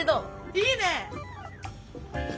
いいね！